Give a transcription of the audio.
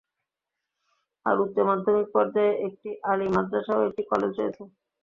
আর উচ্চমাধ্যমিক পর্যায়ে, একটি আলিম মাদরাসা ও একটি কলেজ রয়েছে।